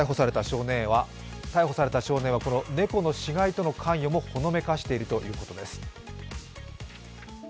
逮捕された少年は、この猫の死骸との関与もほのめかしているということです。